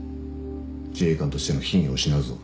自衛官としての品位を失うぞ。